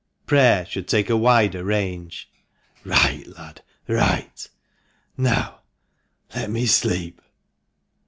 Prayer should take a wider range." " Right, lad, right ! now let me sleep."